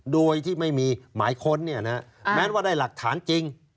โดยที่ไม่มีหมายค้นแม้ว่าได้หลักฐานจริง